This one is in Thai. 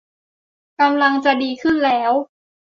กำลังจะดีขึ้นแล้ว